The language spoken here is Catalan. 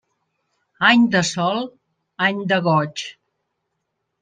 Any de sol, any de goig.